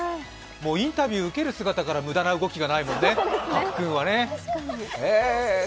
インタビュー受ける姿から無駄な動きがないもんね。